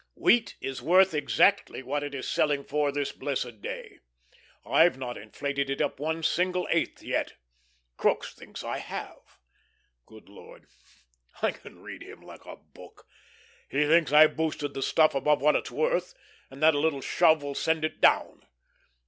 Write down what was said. Wheat is worth exactly what it is selling for this blessed day. I've not inflated it up one single eighth yet; Crookes thinks I have. Good Lord, I can read him like a book! He thinks I've boosted the stuff above what it's worth, and that a little shove will send it down.